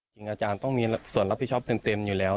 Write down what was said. จริงอาจารย์ต้องมีส่วนรับผิดชอบเต็มอยู่แล้ว